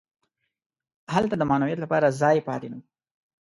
هلته د معنویت لپاره ځای پاتې نه وي.